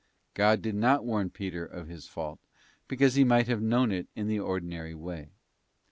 '* God did not warn Peter of his fault, because he might have known it in the ordinary way.